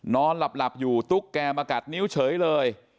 นอนหลับอยู่ตุ๊กแกมากัดนิ้วเฉยเลย